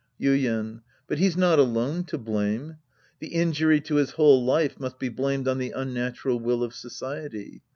Yuien. But he's not alone to blame. The injury to his whole life must be blamed on the unnatural will of society.